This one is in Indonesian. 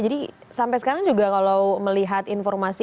sampai sekarang juga kalau melihat informasi